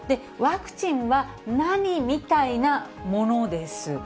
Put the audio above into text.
ワクチンは、ナニみたいなものです。